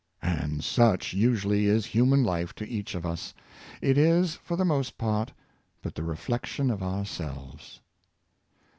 And such usually is human life to each of us; it is, for the most part, but the reflection of our selves.